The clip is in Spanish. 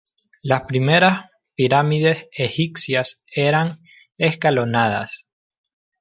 Las primeras pirámides egipcias eran escalonadas.